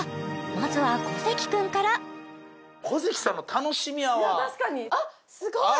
まずは小関君から小関さんの楽しみやわいや確かにあっすごい！